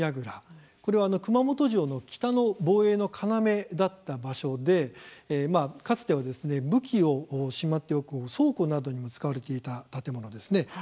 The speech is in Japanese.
これは、熊本城の北の防衛の要だった場所でかつてはですね武器をしまっておく倉庫などにも使われていた建物ですね。